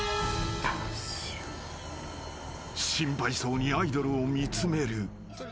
［心配そうにアイドルを見つめる］